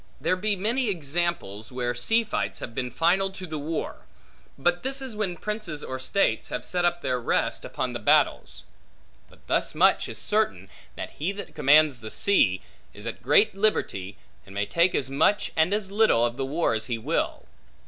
There be many examples, where sea fights have been final to the war; but this is when princes or states have set up their rest, upon the battles. But thus much is certain, that he that commands the sea, is at great liberty, and may take as much, and as little, of the war as he will.